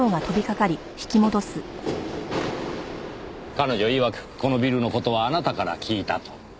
彼女いわくこのビルの事はあなたから聞いたと。